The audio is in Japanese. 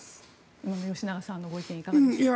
今の吉永さんのご意見いかがですか？